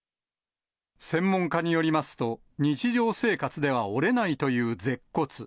専門家によりますと、日常生活では折れないという舌骨。